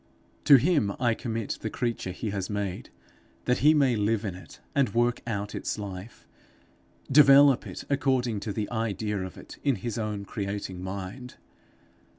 To him I commit the creature he has made, that he may live in it, and work out its life develop it according to the idea of it in his own creating mind.